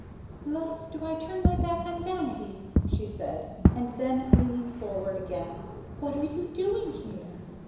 "Thus do I turn my back on vanity," she said, and then leaning forward again, "What are you doing here?"